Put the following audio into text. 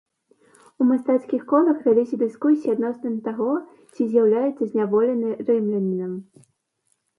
У мастацкіх колах вяліся дыскусіі адносна таго, ці з'яўляецца зняволены рымлянінам.